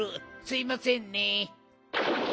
すいませんね。